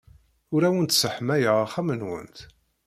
Ur awent-sseḥmayeɣ axxam-nwent.